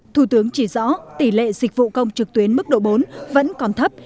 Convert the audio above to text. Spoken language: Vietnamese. thủ tướng chỉ rõ tỷ lệ dịch vụ công trực tuyến mức độ bốn vẫn còn thấp